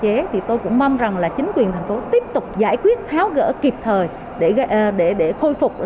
thế thì tôi cũng mong rằng chính quyền thành phố tiếp tục giải quyết tháo gỡ kịp thời để khôi phục